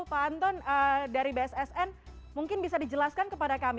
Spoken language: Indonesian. pak anton dari bssn mungkin bisa dijelaskan kepada kami